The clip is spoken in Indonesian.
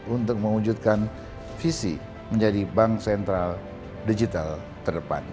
untuk mewujudkan visi menjadi bank sentral digital terdepan